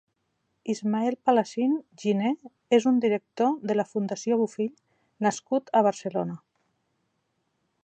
Ismael Palacín Giner és un director de la Fundació Bofill nascut a Barcelona.